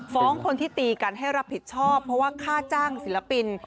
คนที่ตีกันให้รับผิดชอบเพราะว่าค่าจ้างศิลปิน